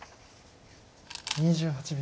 ２８秒。